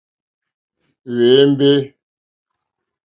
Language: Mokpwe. Hwémbè.